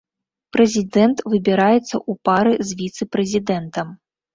Прэзідэнт выбіраецца ў пары з віцэ-прэзідэнтам.